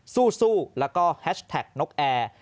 สู้แล้วก็แฮชแท็กนกแอร์